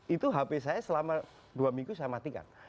itu hp saya selama dua minggu saya matikan